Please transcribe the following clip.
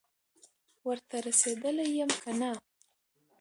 ورته رسېدلی یم که نه،